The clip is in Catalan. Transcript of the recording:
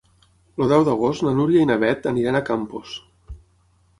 El deu d'agost na Núria i na Beth aniran a Campos.